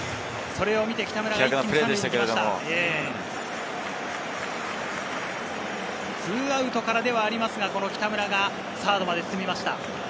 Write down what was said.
それを見て北村が。気迫のプレーでしたけれ２アウトからではありますが、北村がサードまで進みました。